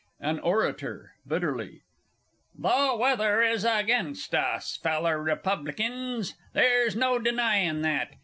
_ AN ORATOR (bitterly). The weather is against us, Feller Republikins, there's no denyin' that.